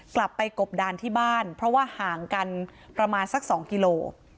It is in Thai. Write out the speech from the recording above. กลับไปกบดานที่บ้านเพราะว่าห่างกันประมาณสัก๒กิโล